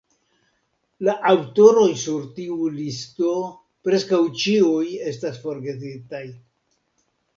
La aŭtoroj sur tiu listo preskaŭ ĉiuj estas forgesitaj.